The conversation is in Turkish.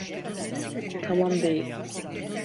Tamam değil.